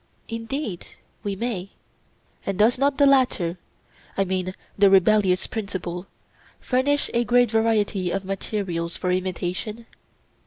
Indeed, we may. And does not the latter—I mean the rebellious principle—furnish a great variety of materials for imitation?